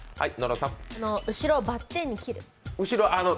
後ろをバッテンに切る。